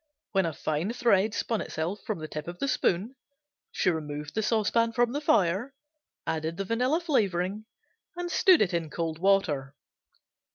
When a fine thread spun itself from the tip of the spoon she removed the saucepan from the fire, added the vanilla flavoring and stood it in cold water.